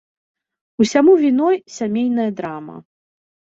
Усяму віной сямейная драма.